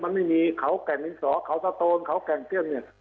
มันไม่มีเขาแก่งดินสอเขาสโตนเขาแก่งเตี้ยมเนี่ย